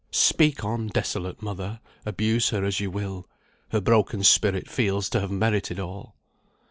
Speak on, desolate mother! Abuse her as you will. Her broken spirit feels to have merited all.